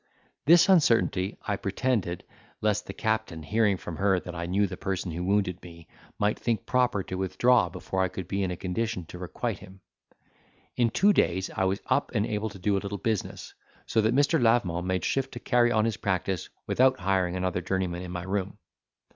This uncertainty I pretended, lest the captain, hearing from her that I knew the person who wounded me, might think proper to withdraw before I could be in a condition to requite him. In two days I was up and able to do a little business, so that Mr. Lavement made shift to carry on his practice without hiring another journeyman in my room.